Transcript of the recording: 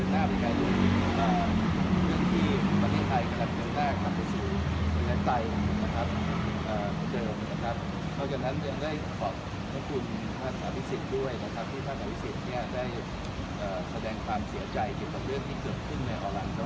ท่านไทยวิสิทธิ์ได้แสดงความเสียใจเกี่ยวกับเรื่องที่เกิดขึ้นในออลานโด